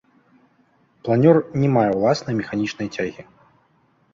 Планёр не мае ўласнай механічнай цягі.